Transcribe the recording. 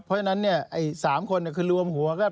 เพราะฉะนั้นเนี่ยสามคนคือรวมหัวก็